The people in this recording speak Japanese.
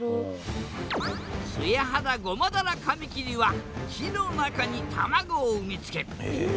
ツヤハダゴマダラカミキリは木の中に卵を産み付ける。